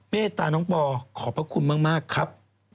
เมตตาน้องปอขอบพระคุณมากครับ